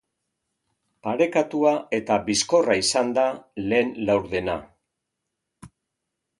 Parekatua eta bizkorra izan da lehen laurdena.